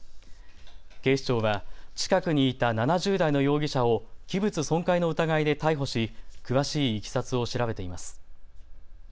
警視庁は近くにいた７０代の容疑者を器物損壊の疑いで逮捕し、詳しいいきさつを調べています。